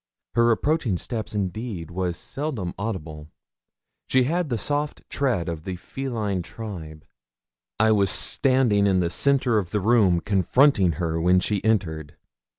Her approaching step, indeed, was seldom audible; she had the soft tread of the feline tribe. I was standing in the centre of the room confronting her when she entered.